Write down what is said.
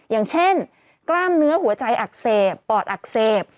อย่างเช่นกล้ามเนื้อหัวใจอักเสบปอดอักเสบ